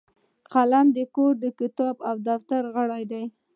قلم د کور، مکتب او دفتر غړی دی